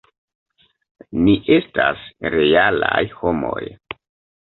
Ni estas realaj homoj.